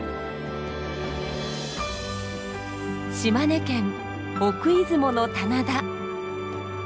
島根県奥出雲の棚田。